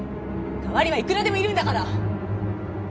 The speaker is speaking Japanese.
代わりはいくらでもいるんだから。